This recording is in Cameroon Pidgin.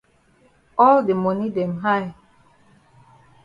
All de moni dem high.